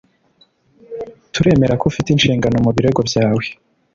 Turemera ko ufite ishingiro mubirego byawe